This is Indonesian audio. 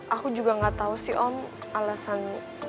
aku juga gak tau sih om alasan pastinya kayak gimana